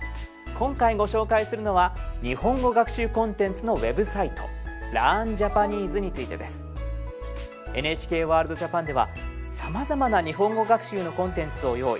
今回ご紹介するのは日本語学習コンテンツのウェブサイト「ＬｅａｒｎＪａｐａｎｅｓｅ」についてです。ＮＨＫワールドＪＡＰＡＮではさまざまな日本語学習のコンテンツを用意。